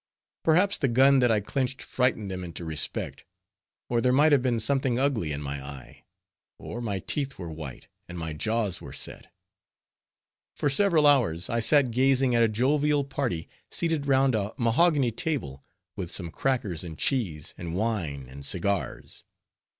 Perhaps the gun that I clenched frightened them into respect; or there might have been something ugly in my eye; or my teeth were white, and my jaws were set. For several hours, I sat gazing at a jovial party seated round a mahogany table, with some crackers and cheese, and wine and cigars.